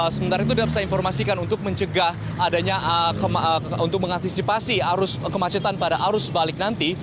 sementara itu dapat saya informasikan untuk mencegah adanya untuk mengantisipasi arus kemacetan pada arus balik nanti